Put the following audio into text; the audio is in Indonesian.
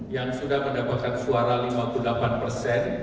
yang sudah mendapatkan suara lima puluh delapan persen